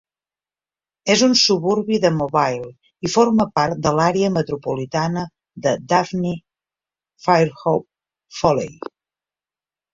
És un suburbi de Mobile i forma part de l'àrea metropolitana de Daphne-Fairhope-Foley.